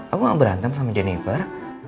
aku gak berantem sama jenniper